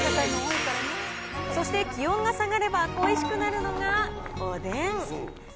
そして気温が下がれば恋しくなるのがおでん。